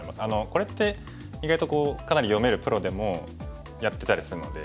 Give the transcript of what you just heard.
これって意外とかなり読めるプロでもやってたりするので。